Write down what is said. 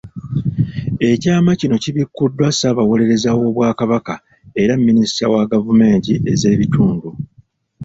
Ekyama kino kibikuddwa Ssaabawolereza w'Obwakabaka era minisita wa gavumenti ez'ebitundu.